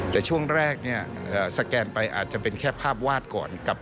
แต่ช่วงแรกเนี่ยสแกนไปอาจจะเป็นแค่ภาพวาดก่อน